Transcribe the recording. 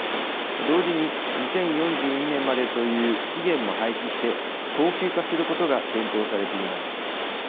同時に、２０４２年までという期限も廃止して恒久化することが検討されています。